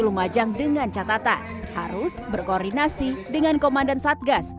lumajang dengan catatan harus berkoordinasi dengan komandan satgas